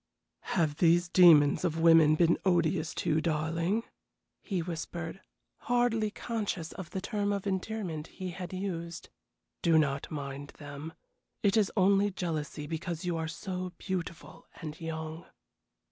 "Have these demons of women been odious to you, darling?" he whispered, hardly conscious of the term of endearment he had used. "Do not mind them; it is only jealousy because you are so beautiful and young."